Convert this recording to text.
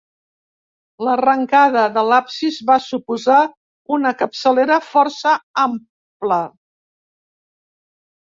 L'arrencada de l'absis fa suposar una capçalera força ampla.